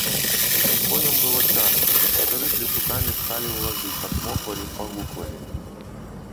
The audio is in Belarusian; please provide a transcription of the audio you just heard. Коням было цяжка, гаспадары плечукамі пхалі ў вазы, пацмоквалі, пагуквалі.